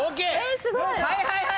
えすごい。